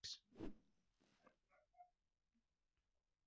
Sus inicios no fueron muy prometedores.